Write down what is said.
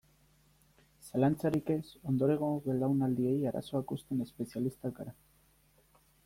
Zalantzarik ez, ondorengo belaunaldiei arazoak uzten espezialistak gara.